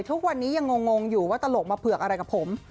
ทุกวันนี้ยังงงอยู่ว่าตลกมาเผือกอะไรกับผม